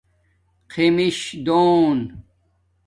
خیمش دُون